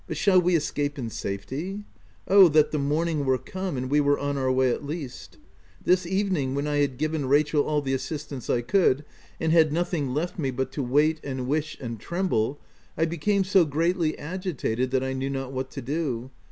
But shall we escape in safety ? Oh, that the morning were come, and we were on our way at least ! This evening, when I had given Rachel all the assist ance I could, and had nothing left me but to OF WILDFELL HALL 111 wait, and wish and tremble, I became so greatly agitated, that I knew not what to do.